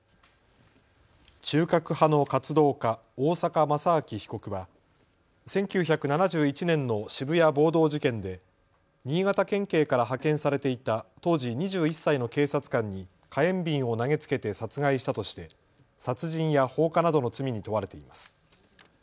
中核派の活動家、大坂正明被告は１９７１年の渋谷暴動事件で新潟県警から派遣されていた当時２１歳の警察官に火炎瓶を投げつけて殺害したとして殺人や放火などの罪に問われています。